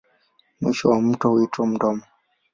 Mwisho wa mto huitwa mdomo.